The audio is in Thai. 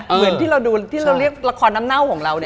เหมือนที่เราเรียกละครน้ำเน่าของเรา